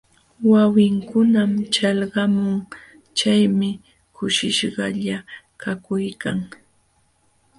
Wawinkunam ćhalqamun, chaymi kushishqalla kakuykan.